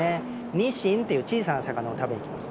ニシンという小さな魚を食べに来ます。